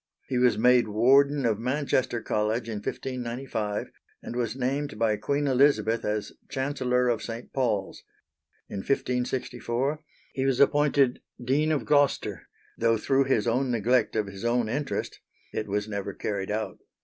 He was made Warden of Manchester College in 1595, and was named by Queen Elizabeth as Chancellor of St. Paul's. In 1564, he was appointed Dean of Gloucester, though through his own neglect of his own interest it was never carried out.